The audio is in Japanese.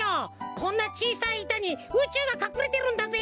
こんなちいさいいたにうちゅうがかくれてるんだぜ！